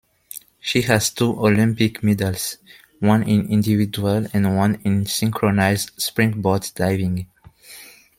She has two Olympic medals, one in individual and one in synchronized springboard diving.